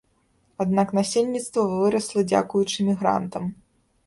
Аднак насельніцтва вырасла дзякуючы мігрантам.